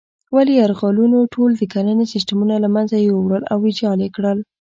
ولې یرغلونو ټول د کرنې سیسټمونه له منځه یوړل او ویجاړ یې کړل.